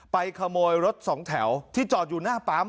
ขโมยรถสองแถวที่จอดอยู่หน้าปั๊ม